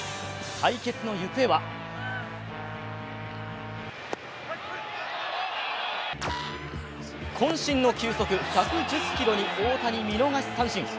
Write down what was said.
対決の行方はこん身の球速１１０キロに大谷見逃し三振。